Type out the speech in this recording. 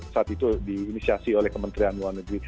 saat itu diinisiasi oleh kementerian luar negeri